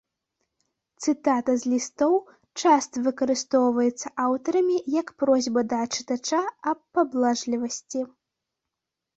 Цытата з лістоў часта выкарыстоўваецца аўтарамі як просьба да чытача аб паблажлівасці.